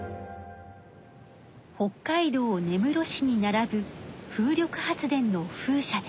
北海道根室市にならぶ風力発電の風車です。